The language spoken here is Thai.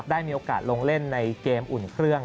ได้มีโอกาสลงเล่นในเกมอุ่นเครื่อง